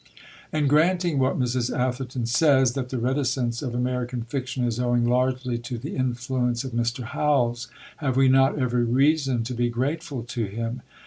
And, granting what Mrs. Atherton says, that the reticence of American fiction is owing largely to the influence of Mr. Howells, have we not every reason to be grateful to him?